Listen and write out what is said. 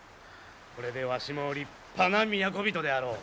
これでわしも立派な都人であろう。